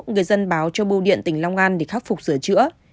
người dân báo cho bưu điện tỉnh long an để khắc phục sửa chữa